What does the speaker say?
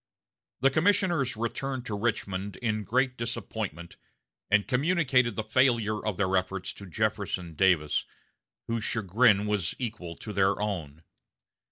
The commissioners returned to Richmond in great disappointment, and communicated the failure of their efforts to Jefferson Davis, whose chagrin was equal to their own.